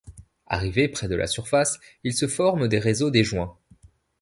Arrivés près de la surface, il se forme des réseaux des joints.